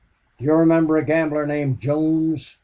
"Do you remember a gambler named Jones?...